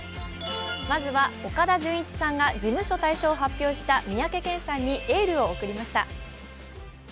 まずは、岡田准一さんが事務所退所を発表した三宅健さんにエールを送りました。